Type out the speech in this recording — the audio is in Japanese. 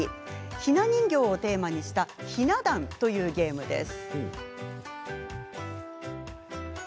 ひな人形をテーマにした「ひなだん」というゲームです。